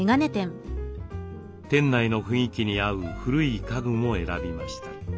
店内の雰囲気に合う古い家具も選びました。